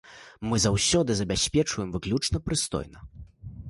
Мы заўсёды забяспечваем выключна прыстойна.